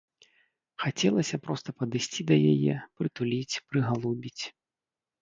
Хацелася проста падысці да яе, прытуліць, прыгалубіць.